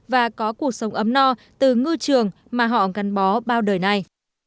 và có cuộc sống ấm no từ ngư trường mà họ gắn bó bao đời nay